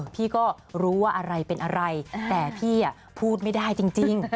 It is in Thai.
พี่ก็รู้ว่าอะไรเป็นอะไรแต่พี่พูดไม่ได้จริง